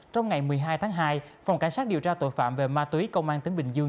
trong ngày một mươi hai tháng hai phòng cảnh sát điều tra tội phạm về ma túy công an tỉnh bình dương